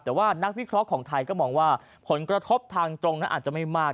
แต่ว่านักวิเคราะห์ของไทยก็มองว่าผลกระทบทางตรงนั้นอาจจะไม่มาก